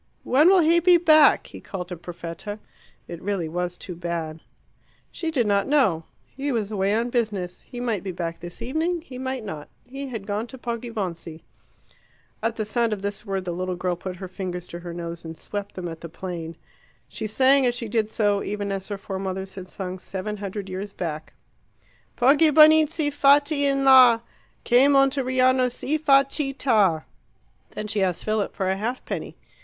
"When will he be back?" he called to Perfetta. It really was too bad. She did not know. He was away on business. He might be back this evening, he might not. He had gone to Poggibonsi. At the sound of this word the little girl put her fingers to her nose and swept them at the plain. She sang as she did so, even as her foremothers had sung seven hundred years back Poggibonizzi, fatti in la, Che Monteriano si fa citta! Then she asked Philip for a halfpenny.